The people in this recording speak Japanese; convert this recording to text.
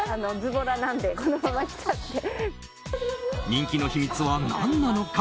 人気の秘密は何なのか？